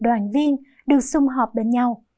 đoàn viên được xung họp bên nhau